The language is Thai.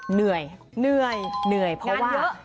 เหนื่อยเพราะว่างานเยอะ